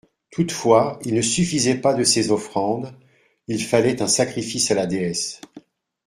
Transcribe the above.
Toutefois il ne suffisait pas de ces offrandes, il fallait un sacrifice à la déesse.